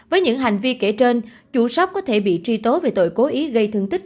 với những hành vi kể trên chủ shop có thể bị truy tố về tội cố ý gây thương tích